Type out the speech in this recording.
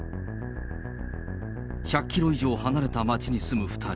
１００キロ以上離れた町に住む２人。